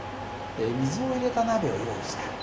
水を入れた鍋を用意したんだ。